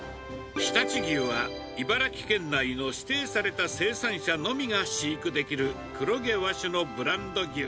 常陸牛は、茨城県内の指定された生産者のみが飼育できる黒毛和種のブランド牛。